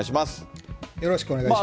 よろしくお願いします。